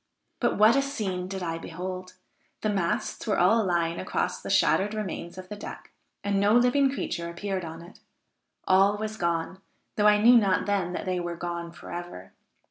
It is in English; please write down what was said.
But what a scene did I behold! The masts were all lying across the shattered remains of the deck, and no living creature appeared on it; all was gone, though I knew not then that they were gone forever.